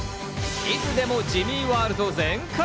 いつでもジミーワールド全開。